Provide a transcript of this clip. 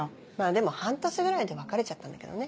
でも半年ぐらいで別れちゃったんだけどね。